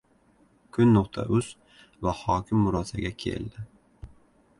Kun.uz va hokim murosaga keldi